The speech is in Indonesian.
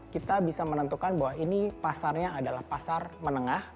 kita bisa menentukan bahwa ini pasarnya adalah pasar menengah